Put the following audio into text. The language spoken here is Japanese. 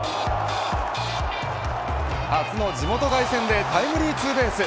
初の地元凱旋でタイムリーツーベース。